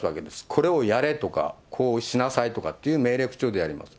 これをやれとか、こうしなさいとかっていう命令口調でやります。